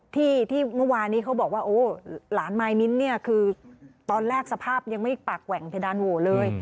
ที่เมื่อวานนี้เขาบอกว่าโอ้หลานมายมิ้นเนี่ยคือตอนแรกสภาพยังไม่ปากแหว่งเพดานโหวเลย